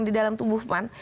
di dalam tubuh pan